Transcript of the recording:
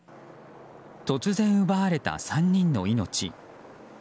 突然奪われた３人の命。